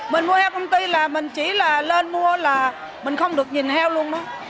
mình mua heo công ty là mình chỉ là lên mua là mình không được nhìn heo luôn đó